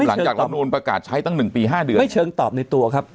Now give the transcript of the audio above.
หลังจากรับนูลประกาศใช้ตั้งหนึ่งปีห้าเดือนไม่เชิงตอบในตัวครับ